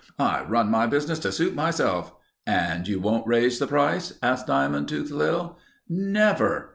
"I run my business to suit myself...." "And you won't raise the price?" asked Diamond Tooth Lil. "Never!"